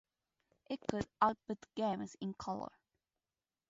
It could output games in color.